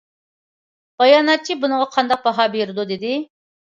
باياناتچى بۇنىڭغا قانداق باھا بېرىدۇ؟ دېدى.